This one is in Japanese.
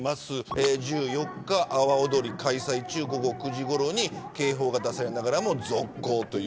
１４日、阿波おどり開催中午後９時ごろに警報が出されながらも続行。